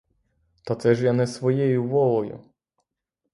Та це ж я не своєю волею!